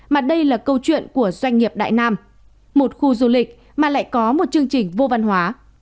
mà đây là câu chuyện của doanh nghiệp đại nam một khu du lịch mà lại có một chương trình vô văn hóa